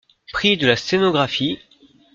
Prix de la scénographie …